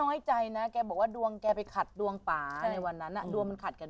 ไม่ใช่นะแกบอกว่าดวงแคตรวันป่าในวันนั้นเรียนมาควรมาคาดกัน